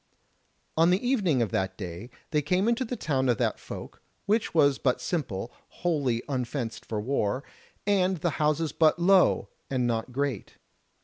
On the evening of that day they came into the town of that folk, which was but simple, wholly unfenced for war, and the houses but low, and not great.